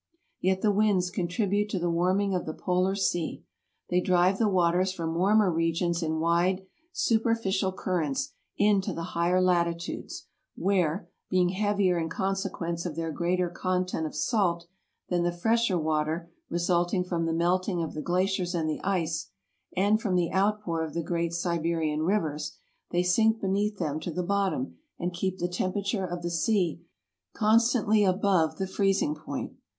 Yet the winds contribute to the warming of the polar sea. They drive the waters from warmer regions in wide superficial currents into the higher latitudes, where, being heavier in consequence of their greater content of salt than the fresher water resulting from the melting of the glaciers and the ice, and from the outpour of the great Siberian riv ers, they sink beneath them to the bottom and keep the temperature of the sea constantly above the freezing point.